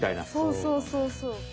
そうそうそうそう。